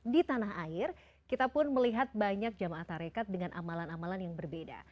di tanah air kita pun melihat banyak jamaah tarekat dengan amalan amalan yang berbeda